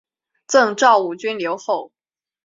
赠昭武军留后。